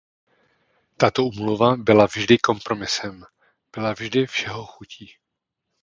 Tato úmluva byla vždy kompromisem; byla vždy všehochutí.